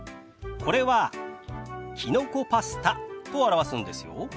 これは「きのこパスタ」と表すんですよ。